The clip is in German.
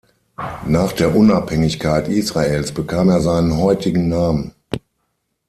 Nach der Unabhängigkeit Israels bekam er seinen heutigen Namen.